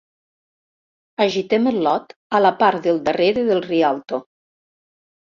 Agitem el lot a la part del darrere del Rialto.